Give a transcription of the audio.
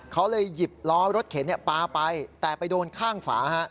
เขาเลยหยิบล้อรถเข็นปลาไปแต่ไปโดนข้างฝา